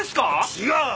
違う！